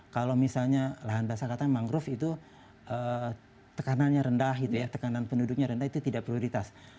kalau misalnya lahan basah katanya mangrove itu tekanannya rendah gitu ya tekanan penduduknya rendah itu tidak prioritas